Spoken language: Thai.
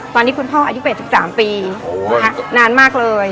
ตอนนี้คุณพ่ออายุ๘๓ปีนานมากเลย